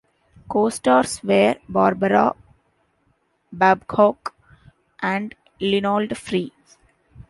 Co-stars were Barbara Babcock and Leonard Frey.